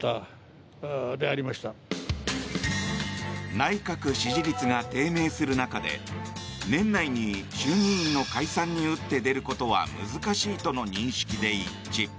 内閣支持率が低迷する中で年内に衆議院の解散に打って出ることは難しいとの認識で一致。